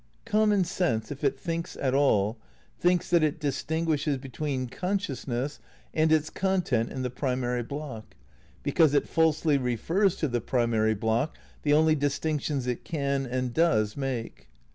Common sense, if it thinks at all, thinks that it distinguishes between consciousness and its content in the primary block, because it falsely re fers to the primary block the only distinctions it can and does make.